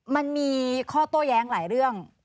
มันมีข้อโต้แย้งหลายเรื่อง